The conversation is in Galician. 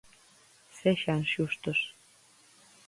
Sexan xustos.